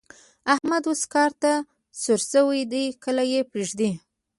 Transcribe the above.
احمد اوس کار ته سور شوی دی؛ کله يې پرېږدي.